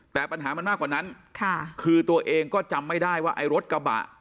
แต่ปัญหามันมากกว่านั้นค่ะคือตัวเองก็จำไม่ได้ว่าไอ้รถกระบะ